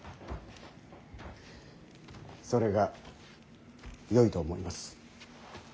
それがよいと思います。